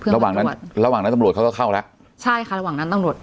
ระหว่างนั้นระหว่างนั้นตำรวจเขาก็เข้าแล้วใช่ค่ะระหว่างนั้นตำรวจ